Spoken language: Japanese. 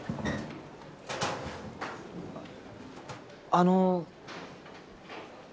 あの。